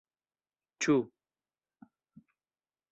Ĉu.